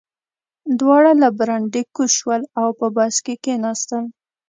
دواړه له برنډې کوز شول او په بس کې کېناستل